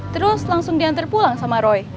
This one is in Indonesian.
terus langsung diantar pulang sama roy